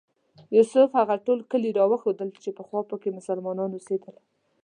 یوسف هغه ټول کلي راوښودل چې پخوا په کې مسلمانان اوسېدل.